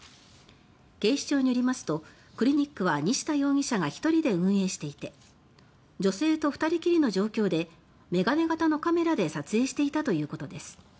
警視庁よりますとクリニックは西田容疑者が１人で運営していて女性と２人きりの状況でメガネ型のカメラで撮影していたということです。